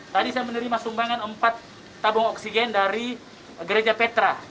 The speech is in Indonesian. tadi saya menerima sumbangan empat tabung oksigen dari gereja petra